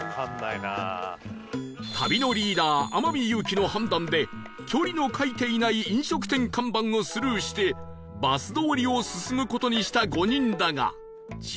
旅のリーダー天海祐希の判断で距離の書いていない飲食店看板をスルーしてバス通りを進む事にした５人だが